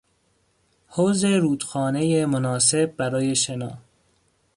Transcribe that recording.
حوض رودخانه مناسب برای شنا